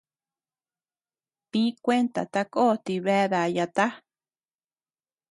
Di kuenta tako ti bea dayata.